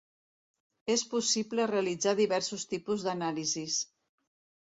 És possible realitzar diversos tipus d'anàlisis.